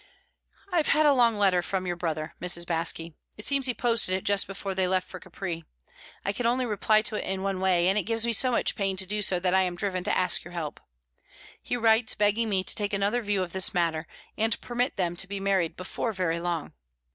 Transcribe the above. "I have had a long letter from your brother, Mrs. Baske. It seems he posted it just before they left for Capri. I can only reply to it in one way, and it gives me so much pain to do so that I am driven to ask your help. He writes begging me to take another view of this matter, and permit them to be married before very long.